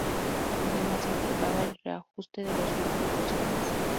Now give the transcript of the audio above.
Además, implicaba el reajuste de los vínculos sociales.